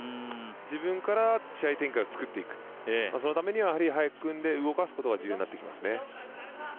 自分から試合展開を作っていく、そのためには速く組んで動かすことが重要になりますね。